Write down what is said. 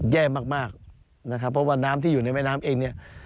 แย่มากมากนะครับเพราะว่าน้ำที่อยู่ในแม่น้ำเองเนี่ย